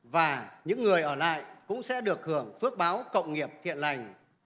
và những người ở lại cũng sẽ được hưởng phước báo cộng nghiệp thiện lành